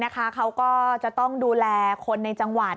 เขาก็จะต้องดูแลคนในจังหวัด